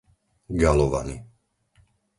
Galovany